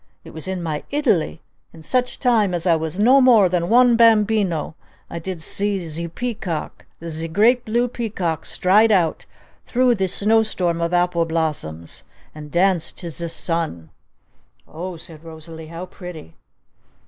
It was in my Italy! In such time as I was no more than one bambino I did see zee peacock, zee great blue peacock stride out through zee snow storm of apple blossoms! And dance to zee sun!" "O h," said Rosalee. "How pretty!"